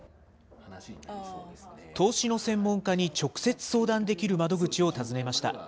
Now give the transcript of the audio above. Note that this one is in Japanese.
投資の専門家に直接相談できる窓口を訪ねました。